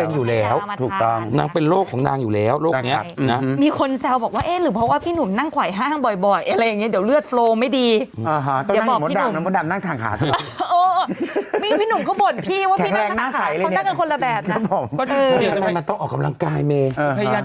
ใช่แล้วเครื่องคียาวมาพากันนางเป็นอยู่แล้วนางเป็นโรคของนังอยู่แล้ว